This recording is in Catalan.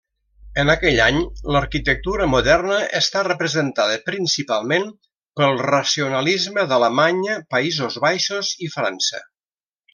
En aquell any l'arquitectura moderna està representada principalment pel racionalisme d'Alemanya, Països Baixos i França.